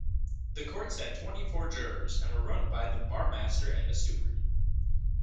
The courts had twenty-four jurors, and were run by the Barmaster and a steward.